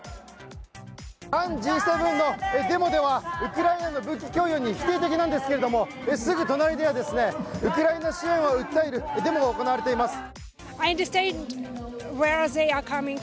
アンＧ７のデモでは、ウクライナへの武器供与に否定的なんですけれどもすぐ隣では、ウクライナ支援を訴えるデモが行われています。